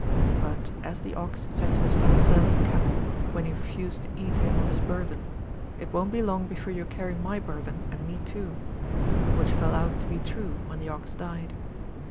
But, as the ox said to his fellow servant the camel, when he refused to ease him of his burthen. It won't be long before you carry my burthen and me too : which fell out to be true, when the ox died.